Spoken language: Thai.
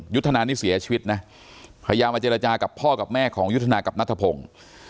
ยุทธนานี่เสียชีวิตนะพยายามมาเจรจากับพ่อกับแม่ของยุทธนากับนัทพงศ์